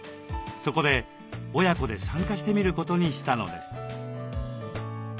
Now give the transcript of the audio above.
そこで親子で参加してみることにしたのです。